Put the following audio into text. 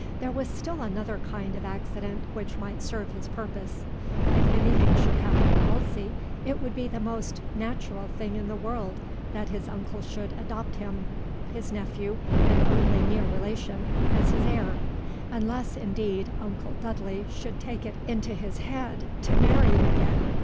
There was still another kind of accident which might serve his purpose. If anything should happen to Elsie, it would be the most natural thing in the world that his uncle should adopt him, his nephew and only near relation, as his heir. Unless, indeed, uncle Dudley should take it into his head to marry again.